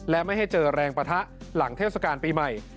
และไม่ให้เจอแรงปะทะหลังเทศกาลปีใหม่